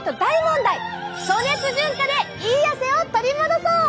暑熱順化でいい汗を取り戻そう！